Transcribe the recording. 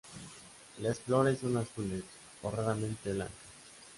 Las flores son azules, o raramente blancas.